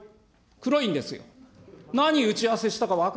黒いんですよ。